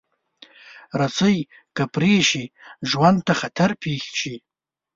رسۍ که پرې شي، ژوند ته خطر پېښ شي.